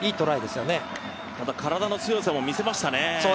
体の強さも見せましたね。